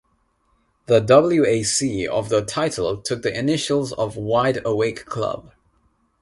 The "wac" of the title took the initials of "Wide Awake Club".